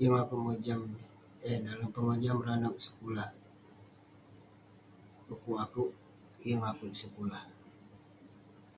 Yeng akouk mojam eh dalem pengojam ireh anag sekulah...du'kuk akouk, yeng akouk sekulah..